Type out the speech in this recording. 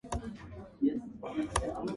Player of the Season.